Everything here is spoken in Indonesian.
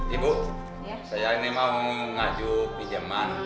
ibu saya ingin mengajukan pinjaman